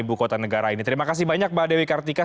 ibu kota negara ini terima kasih banyak mbak dewi kartika